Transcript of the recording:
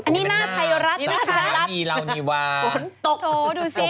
อันนี้หน้าไทยรัฐค่ะฝนตกตกตอนไหนเนี่ยโถดูสิ